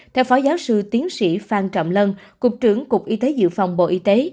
theo phó giáo sư tiến sĩ phan trọng lân cục trưởng cục y tế dự phòng bộ y tế